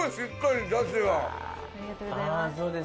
ありがとうございます。